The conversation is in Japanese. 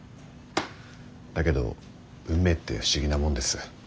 だけど運命って不思議なもんです。